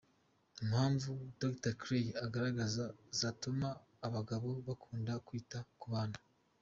Impamvu Dr Kley agaragaza zatuma abagabo bakunda kwita ku bana.